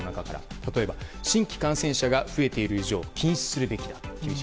新規感染者が増えている以上禁止するべきだ。